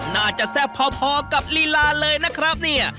แซ่บพอกับลีลาเลยนะครับเนี่ย